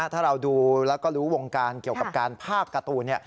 ถ้าเราดูแล้วก็รู้วงการเกี่ยวกับการพากการ์ตูน